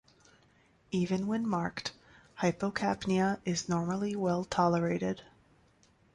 Even when marked, hypocapnia is normally well tolerated.